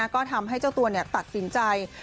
ก็ทำให้เจ้าตัวตัดสินใจ